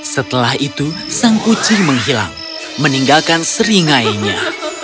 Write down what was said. setelah itu sang kucing menghilang meninggalkan seringainya